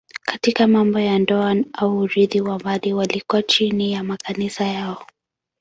Katika mambo ya ndoa au urithi wa mali walikuwa chini ya makanisa yao.